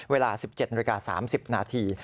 เวลา๑๗นาฬิกา๓๐นาที